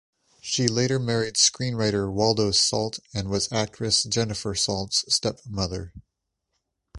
She later married screenwriter Waldo Salt and was actress Jennifer Salt's stepmother.